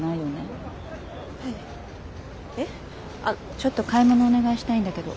ちょっと買い物をお願いしたいんだけど。